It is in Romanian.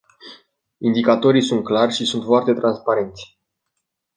Indicatorii sunt clari și sunt foarte transparenți.